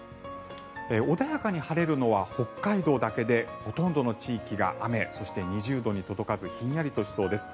穏やかに晴れるのは北海道だけでほとんどの地域が雨そして２０度に届かずひんやりとしそうです。